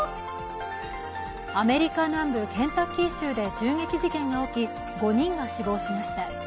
アメリカ南部ケンタッキー州で銃撃事件が起き、４人が死亡しました。